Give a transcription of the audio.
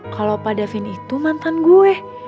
kalau pak davin itu mantan gue